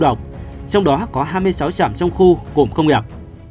trong đó có hai mươi sáu trạm trong khu cụm công nghiệp